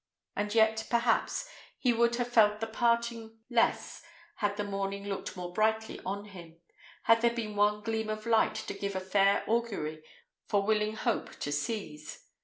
And yet, perhaps, he would have felt the parting less had the morning looked more brightly on him; had there been one gleam of light to give a fair augury for willing hope to seize.